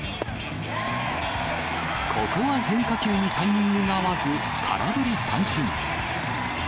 ここは変化球にタイミングが合わず、空振り三振。